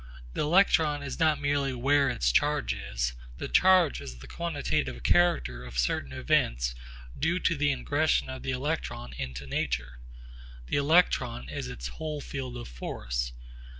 The electron is not merely where its charge is. The charge is the quantitative character of certain events due to the ingression of the electron into nature. The electron is its whole field of force.